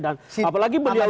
dan apalagi beliau ini